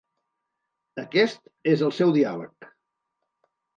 Aquest és el seu diàleg.